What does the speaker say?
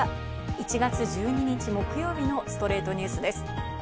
１月１２日、木曜日の『ストレイトニュース』です。